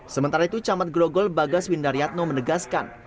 sementara itu camat grokol bagas windaryatno menegaskan